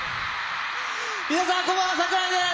皆さん、こんばんは、櫻井翔です。